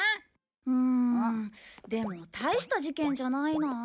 うんでも大した事件じゃないな。